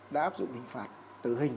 đã áp dụng hình phạt tử hình